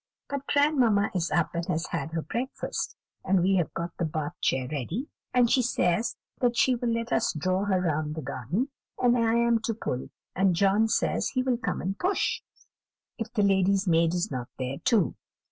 But grandmamma is up and has had her breakfast, and we have got the Bath chair ready, and she says that she will let us draw her round the garden; and I am to pull, and John says he will come and push, if the lady's maid is not there too.